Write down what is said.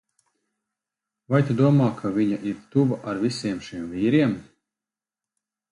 Vai tu domā, ka viņa ir tuva ar visiem šiem vīriem?